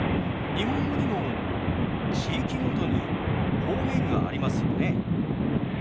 日本語にも地域ごとに方言がありますよね。